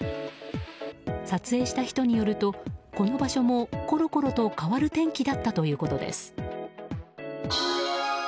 撮影した人によると、この場所もコロコロと変わる天気だったということです。